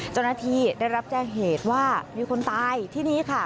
จริงได้รับแจ้งเหตุว่ามีคนตายที่นี่ค่ะ